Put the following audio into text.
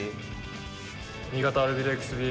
新潟アルビレックスＢＢ